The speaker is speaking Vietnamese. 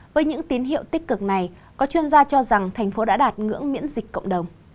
với những tín hiệu tích cực này có chuyên gia cho rằng thành phố đã đạt ngưỡng miễn dịch cộng đồng